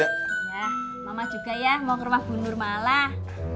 ya mama juga ya mau ke rumah bundur malah